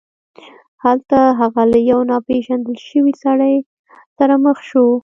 هلته هغه له یو ناپيژندل شوي سړي سره مخ شو.